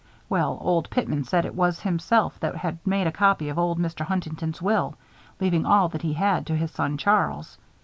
Well, Old Pitman said it was himself that had made a copy of old Mr. Huntington's will, leaving all that he had to his son Charles.